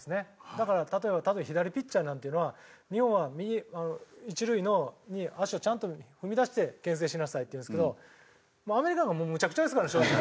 だから例えば多分左ピッチャーなんていうのは日本は右一塁に足をちゃんと踏み出して牽制しなさいっていうんですけどアメリカももうむちゃくちゃですからね正直。